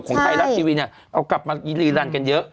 ของไทยรัฐทีวีเนี่ยเอากลับมารีรันกันเยอะ